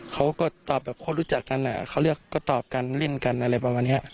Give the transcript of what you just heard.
เขาก็ตอบแบบคนรู้จักกันเขาเรียกก็ตอบกันเล่นกันอะไรประมาณนี้